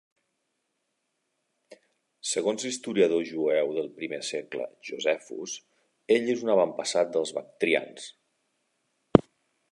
Segons l"historiador jueu del primer segle Josephus, ell és un avantpassat dels Bactrians.